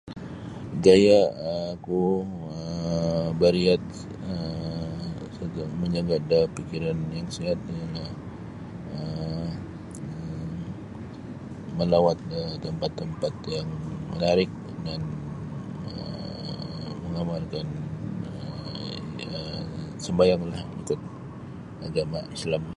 Gaya oku um mabariat um mamajaga da pikiran yang siat ialah[um] melawat da tampat-tampat yang menarik dan um [unintelligible] sumbayang lah ikut agama islam.